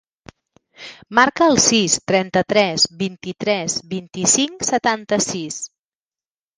Marca el sis, trenta-tres, vint-i-tres, vint-i-cinc, setanta-sis.